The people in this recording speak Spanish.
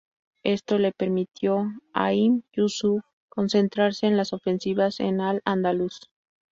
Esto le permitió a Ibn Yúsuf concentrarse en las ofensivas en al-Ándalus.